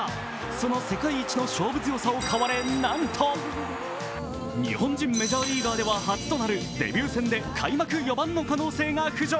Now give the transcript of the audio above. その世界一の勝負強さを買われなんと日本人メジャーリーガーでは初となるデビュー戦で開幕４番の可能性が浮上。